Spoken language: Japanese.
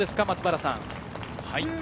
松原さん。